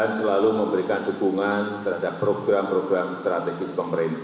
dan selalu memberikan dukungan terhadap program program strategis pemerintah